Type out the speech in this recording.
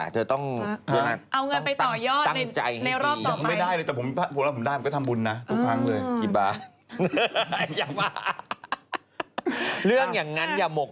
เธอคิดดูสิดูของคนมาก